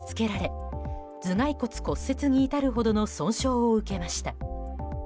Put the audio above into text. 転倒し頭部が地面にたたきつけられ頭蓋骨骨折に至るほどの損傷を受けました。